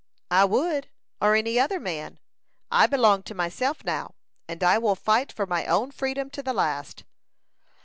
"I would, or any other man. I belong to myself now, and I will fight for my own freedom to the last."